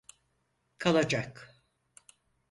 Kalacak.